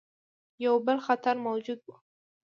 یو بل خطر موجود وو.